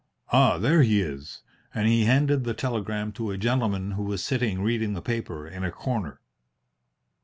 "Ah, there he is!" and he handed the telegram to a gentleman who was sitting reading the paper in a corner.